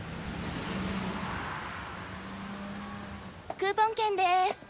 クーポン券です。